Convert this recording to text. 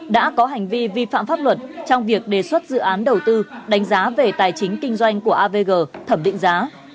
đã có hành vi vi phạm pháp luật trong việc đề xuất dự án đầu tư đánh giá về tài chính kinh doanh của avg thẩm định giá